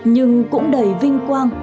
nhưng cũng đầy vinh quang